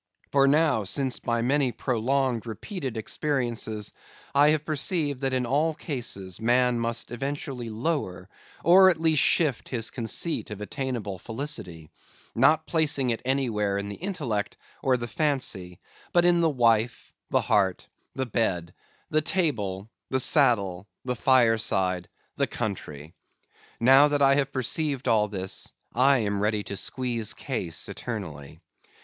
For now, since by many prolonged, repeated experiences, I have perceived that in all cases man must eventually lower, or at least shift, his conceit of attainable felicity; not placing it anywhere in the intellect or the fancy; but in the wife, the heart, the bed, the table, the saddle, the fireside, the country; now that I have perceived all this, I am ready to squeeze case eternally.